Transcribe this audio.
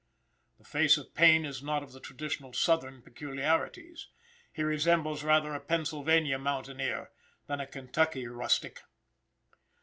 The face of Payne is not of the traditional southern peculiarities. He resembles rather a Pennsylvania mountaineer than a Kentucky rustic.